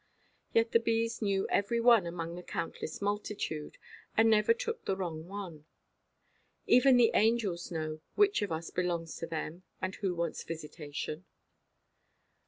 Yet the bees knew every one among the countless multitude, and never took the wrong one; even as the angels know which of us belongs to them, and who wants visitation.